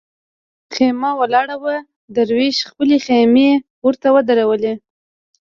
خېمه ولاړه وه دروېش خپلې خېمې ورته ودرولې.